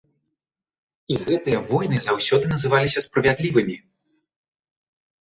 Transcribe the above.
І гэтыя войны заўсёды называліся справядлівымі.